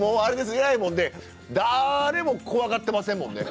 えらいもんで誰も怖がってませんもんね。